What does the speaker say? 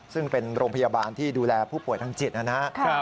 ซึ่งเป็นโรงพยาบาลที่ดูแลผู้ป่วยทางจิตนะครับ